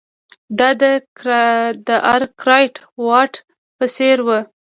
دا د ارکرایټ او واټ په څېر وو.